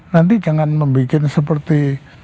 nanti jangan membuat seperti